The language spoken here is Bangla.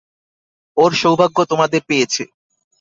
ওর সৌভাগ্য তোমাদের পেয়েছে।